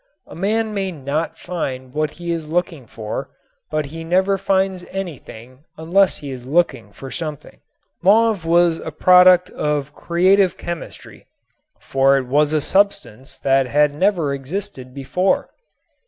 A man may not find what he is looking for, but he never finds anything unless he is looking for something. Mauve was a product of creative chemistry, for it was a substance that had never existed before.